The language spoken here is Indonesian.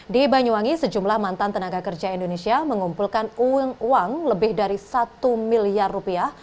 di banyuwangi sejumlah mantan tenaga kerja indonesia mengumpulkan uang lebih dari satu miliar rupiah